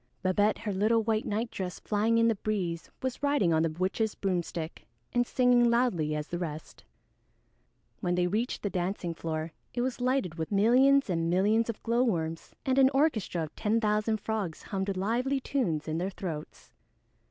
Babette, her little white nightdress flying in the breeze, was riding on the witch's broomstick and singing loudly as the rest. When they reached the dancing floor it was lighted with millions and millions of glowworms, and an orchestra of ten thousand frogs hummed lively tunes in their throats.